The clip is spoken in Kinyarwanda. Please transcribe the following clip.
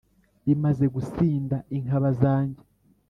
Bimaze gusinda inkaba zanjye